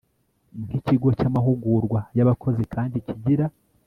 Nk ikigo cy amahugurwa y abakozi kandi kigira